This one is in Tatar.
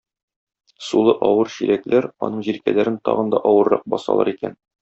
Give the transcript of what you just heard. Сулы авыр чиләкләр аның җилкәләрен тагын да авыррак басалар икән.